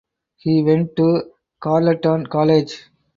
He went to Carleton College.